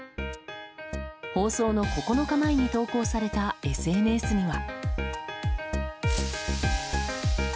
放送の９日前に投稿されたＳＮＳには。